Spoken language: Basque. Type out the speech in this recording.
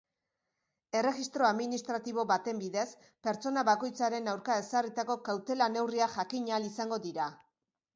Erregistro administratibo baten bidez pertsona bakoitzaren aurka ezarritako kautela-neurriak jakin ahal izango dira.